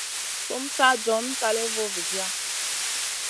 Sumu sa john kaléya vo vizia.